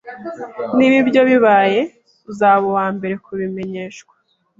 Niba ibyo bibaye, uzaba uwambere kubimenyeshwa